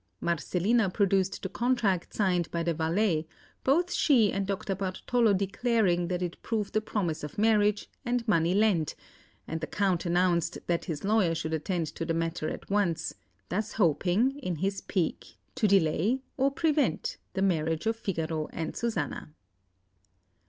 Marcellina produced the contract signed by the valet, both she and Dr Bartolo declaring that it proved a promise of marriage, and money lent; and the Count announced that his lawyer should attend to the matter at once, thus hoping, in his pique, to delay, or prevent, the marriage of Figaro and Susanna.